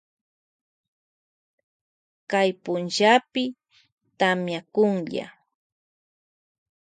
Kay punllapi tamiakunlla.